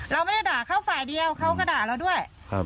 เราไม่ได้ด่าเขาฝ่ายเดียวเขาก็ด่าเราด้วย